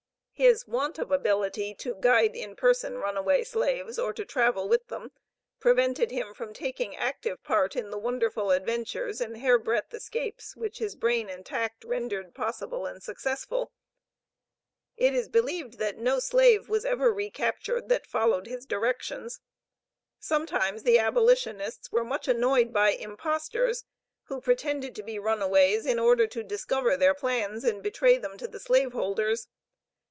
His want of ability to guide in person runaway slaves, or to travel with them, prevented him from taking active part in the wonderful adventures and hair breadth escapes which his brain and tact rendered possible and successful. It is believed that no slave was ever recaptured that followed his directions. Sometimes the abolitionists were much annoyed by impostors, who pretended to be runaways, in order to discover their plans, and betray them to the slave holders.